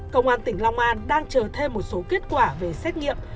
công an tỉnh long an đang chờ thêm một số kết quả về xét nghiệm